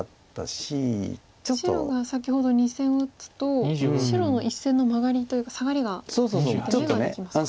白が先ほど２線を打つと白の１線のマガリというかサガリが眼ができますか。